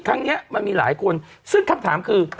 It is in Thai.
ครั้งนี้มันมีหลายคนซึ่งคำถามคือ